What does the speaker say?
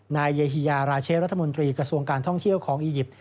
นายเยฮิยาราชเชฟรัฐมนตรีกระทรวงการท่องเที่ยวของอียิปต์